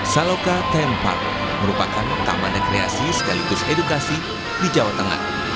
saloka tem park merupakan taman rekreasi sekaligus edukasi di jawa tengah